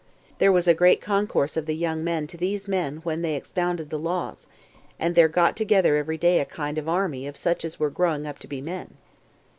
There was a great concourse of the young men to these men when they expounded the laws, and there got together every day a kind of an army of such as were growing up to be men.